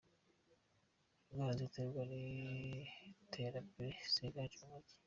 Indwara ziterwa n’iterambere ziganje mu mijyi